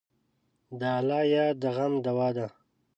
د الله یاد د غم دوا ده.